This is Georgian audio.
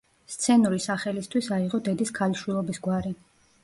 სცენური სახელისთვის აიღო დედის ქალიშვილობის გვარი.